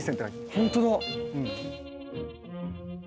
本当だ。